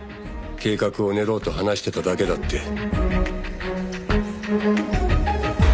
計画を練ろうと話してただけだって。